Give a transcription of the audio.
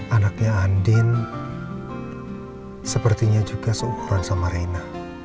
anaknya andin sepertinya juga seukuran sama reina